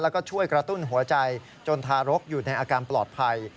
แล้วก็ช่วยกระตุ้นหัวใจจนทารกอยู่ในอาการปลอดภัย